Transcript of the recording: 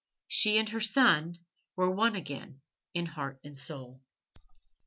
She and her son were one again in heart and soul.